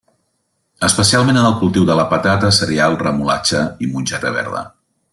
Especialment en el cultiu de la patata, cereal, remolatxa i mongeta verda.